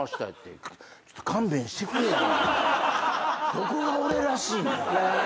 どこが俺らしいねん。